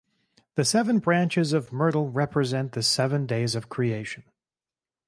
The seven branches of myrtle represent the seven days of creation.